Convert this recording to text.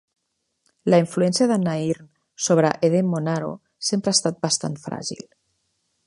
La influència de Nairn sobre Eden-Monaro sempre ha estat bastant fràgil.